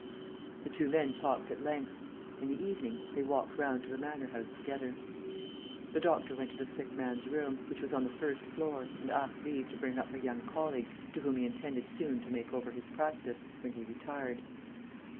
The two men talked at length. In the evening, they walked round to the manor house together. The doctor went to the sick man's room, which was on the first floor, and asked leave to bring up a young colleague, to whom he intended soon to make over his practice, when he retired.